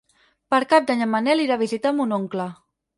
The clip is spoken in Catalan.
Per Cap d'Any en Manel irà a visitar mon oncle.